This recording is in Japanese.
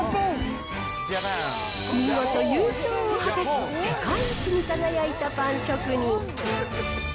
見事優勝を果たし、世界一に輝いたパン職人。